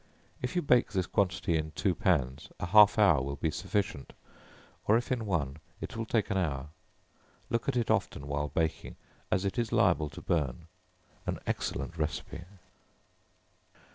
If you bake this quantity in two pans, a half hour will be sufficient, or if in one, it will take an hour. Look at it often while baking, as it is liable to burn. An excellent recipe.